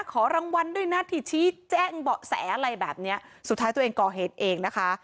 ขอรางวัลด้วยนะที่ชี้แจ้งเบาะแสอะไรแบบเนี้ยสุดท้ายตัวเองก่อเหตุเองนะคะ